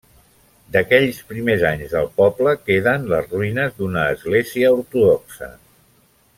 D'aquells primers anys del poble queden les ruïnes d'una església ortodoxa.